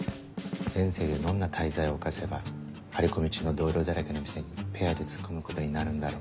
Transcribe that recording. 前世でどんな大罪を犯せば張り込み中の同僚だらけの店にペアで突っ込むことになるんだろう。